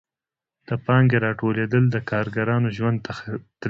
د پانګې راټولېدل د کارګرانو ژوند تریخوي